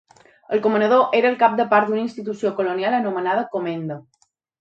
El comanador era el cap de part d'una institució colonial anomenada comenda.